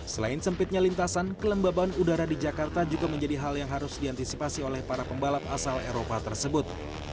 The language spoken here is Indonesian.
selain sempitnya lintasan kelembaban udara di jakarta juga menjadi hal yang harus diantisipasi oleh para pembalap asal eropa tersebut